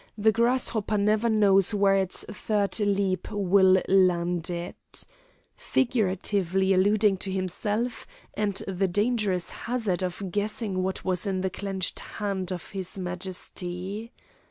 the grasshopper never knows where its third leap will land it," figuratively alluding to himself and the dangerous hazard of guessing what was in the clenched hand of his Majesty.